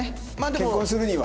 結婚するには。